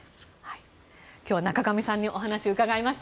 今日は仲上さんにお話を伺いました。